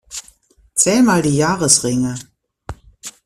Zähl mal die Jahresringe.